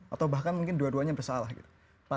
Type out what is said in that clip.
atau bahkan mungkin dua duanya bersalah gitu